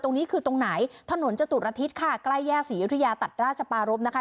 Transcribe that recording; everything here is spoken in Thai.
ตรงนี้คือตรงไหนถนนจตุรทิศค่ะใกล้แยกศรียุธยาตัดราชปารพนะคะ